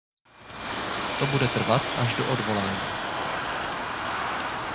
To bude trvat až do odvolání.